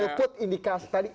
golput indikasi tadi